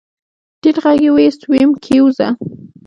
ټيټ غږ يې واېست ويم کېوځه.